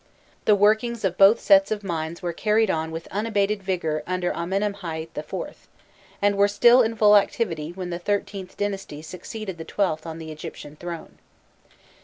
The workings of both sets of mines were carried on with unabated vigour under Amenemhâîfc IV., and were still in full activity when the XIIIth dynasty succeeded the XIIth on the Egyptian throne.